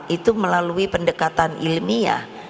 itu melalui pendekatan ilmiah